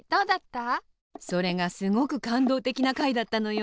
それがすごくかんどうてきなかいだったのよ。